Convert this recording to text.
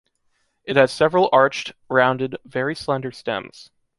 It has several arched, rounded, very slender stems.